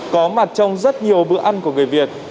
có mặt trong rất nhiều bữa ăn của người việt